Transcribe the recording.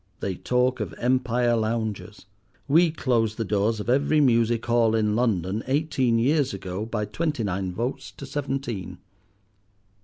They talk of Empire lounges! We closed the doors of every music hall in London eighteen years ago by twenty nine votes to seventeen.